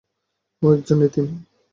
ও একজন এতিম।